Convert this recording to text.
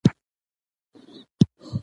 سوال یې وکړ له یو چا چي څه کیسه ده